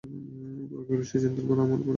গোরা কহিল, সে চিন্তার ভার আমার উপর নেই।